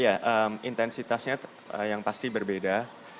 ya intensitasnya yang pasti berbeda